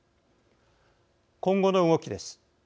今後の動きです。